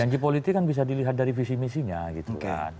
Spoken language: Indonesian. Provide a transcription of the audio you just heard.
janji politik kan bisa dilihat dari visi misinya gitu kan